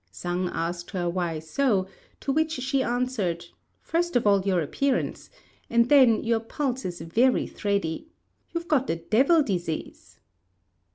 Sang asked her why so; to which she answered, "First of all your appearance; and then your pulse is very thready. You've got the devil disease."